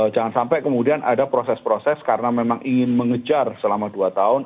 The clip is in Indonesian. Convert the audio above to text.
jangan sampai kemudian ada proses proses karena memang ingin mengejar selama dua tahun